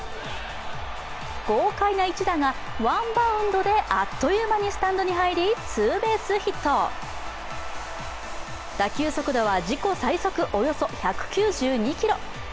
豪快な一打がワンバウンドであっという間にスタンドに入り、ツーベースヒット打球速度は自己最速、およそ１９２キロ。